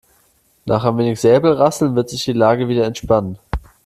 Nach ein wenig Säbelrasseln wird sich die Lage wieder entspannen.